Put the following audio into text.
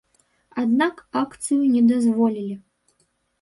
Аднак акцыю не дазволілі.